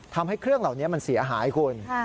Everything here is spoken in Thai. ทำให้เครื่องเหล่านี้มันเสียหายคุณ